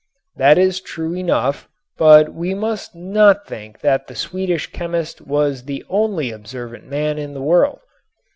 That is true enough, but we must not think that the Swedish chemist was the only observant man in the world.